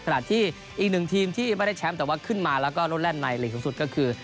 ขณะที่อีกหนึ่งทีมที่ไม่ได้แชมป์แต่ว่าขึ้นมาแล้วก็ลดแล่นในหลีกสูงสุดก็คือ